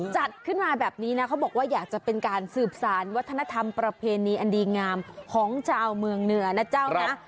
จัดขึ้นมาแบบนี้นะเขาบอกว่าอยากจะเป็นการสืบสารวัฒนธรรมประเพณีอันดีงามของชาวเมืองเหนือนะเจ้านะ